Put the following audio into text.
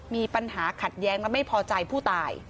มีปัญหาขัดแย้งและไม่พอใจผู้ตาย